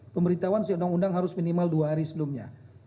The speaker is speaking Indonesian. pemberitahuan si undang undang harus minimal dua hari sebelumnya